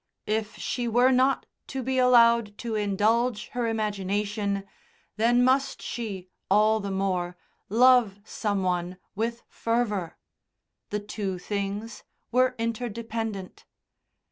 If she were not to be allowed to indulge her imagination, then must she, all the more, love some one with fervour: the two things were interdependent.